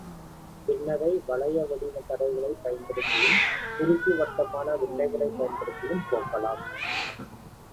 பின்னதைத் வளைய வடிவத் தடைகளைப் பயன்படுத்தியும் குறுக்கு வட்டமான வில்லைகளைப் பயன்படுத்தியும் போக்கலாம்.